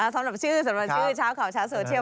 สำหรับชื่อสำหรับชื่อเช้าข่าวเช้าโซเชียล